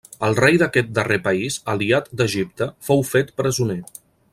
El rei d'aquest darrer país, aliat d'Egipte, fou fet presoner.